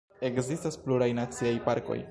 Ekzistas pluraj naciaj parkoj.